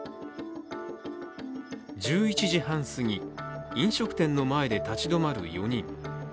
１１時半すぎ、飲食店の前で立ち止まる４人。